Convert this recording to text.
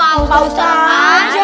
apa usah aja